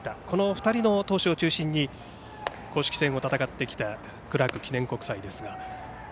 この２人の投手を中心に公式戦を戦ってきたクラーク記念国際ですが。